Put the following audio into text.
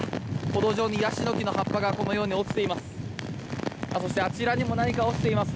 歩道上にヤシの木の葉っぱがこのように落ちています。